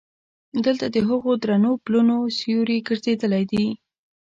دلته د هغو درنو پلونو سیوري ګرځېدلی دي.